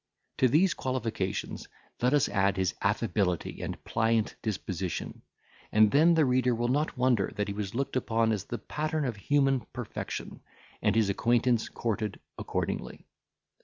To these qualifications let us add his affability and pliant disposition, and then the reader will not wonder that he was looked upon as the pattern of human perfection, and his acquaintance courted accordingly.